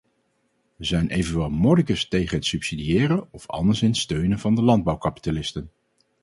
Wij zijn evenwel mordicus tegen het subsidiëren of anderszins steunen van de landbouwkapitalisten.